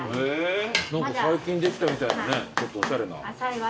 何か最近できたみたいなねちょっとおしゃれな。